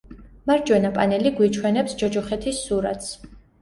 მარჯვენა პანელი გვიჩვენებს ჯოჯოხეთის სურათს.